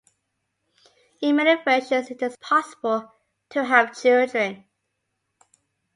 In many versions, it is possible to have children.